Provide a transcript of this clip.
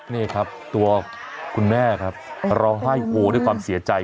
นี่ครับตัวคุณแม่ครับร้องไห้โฮด้วยความเสียใจ